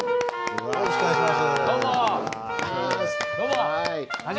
よろしくお願いします。